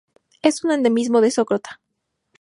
Es un endemismo de Socotra.